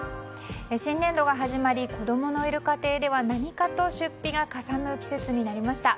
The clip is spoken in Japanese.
新年度が始まり子供のいる家庭では何かと出費がかさむ季節となりました。